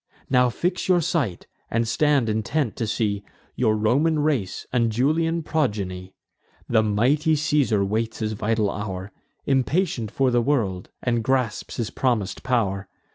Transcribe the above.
"Now fix your sight, and stand intent, to see Your Roman race, and Julian progeny. The mighty Caesar waits his vital hour, Impatient for the world, and grasps his promis'd pow'r.